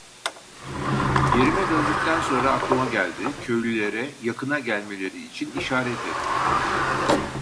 Yerime döndükten sonra aklıma geldi, köylülere, yakına gelmeleri için işaret ettim.